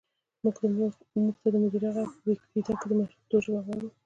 مونږ د موزیلا غږ په ویکیپېډیا کې پښتو ژبه غواړو